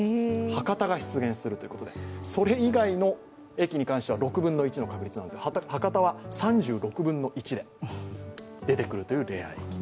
博多が出現するということでそれ以外の駅に関しては６分の１の確率なので博多は３６分の１で出てくるというレア駅。